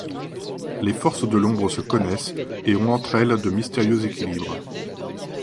Les forces de l’ombre se connaissent, et ont entre elles de mystérieux équilibres.